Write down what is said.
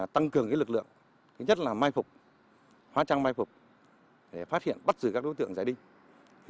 tăng cường lực lượng thứ nhất là mai phục hóa trang mai phục để phát hiện bắt giữ các đối tượng giải đinh